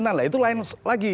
nah itu lain lagi